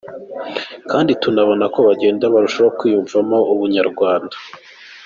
Kandi tunabona ko bagenda barushaho kwiyumvamo ubunyarwanda.